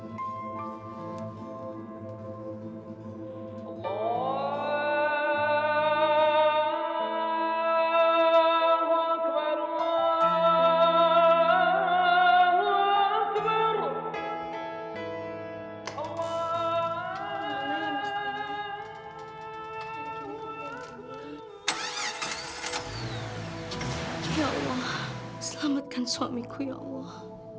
ya allah selamatkan suamiku ya allah